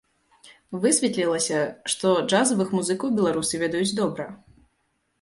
Высветлілася, што джазавых музыкаў беларусы ведаюць добра.